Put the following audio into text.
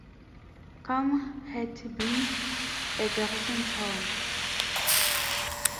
Kulm had been a garrison town.